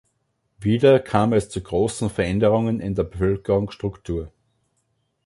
Wieder kam es zu großen Veränderungen in der Bevölkerungsstruktur.